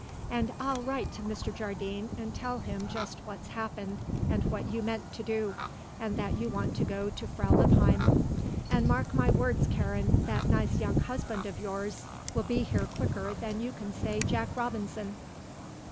And I'll write to Mr. Jardine and tell him just what's happened and what you meant to do, and that you want to go to Frau Lippheim; and you mark my words, Karen, that nice young husband of yours'll be here quicker than you can say Jack Robinson."